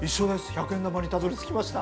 １００円玉にたどりつきました。